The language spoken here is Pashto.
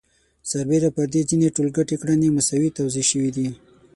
سربېره پر دې ځینې ټولګټې کړنې مساوي توزیع شوي دي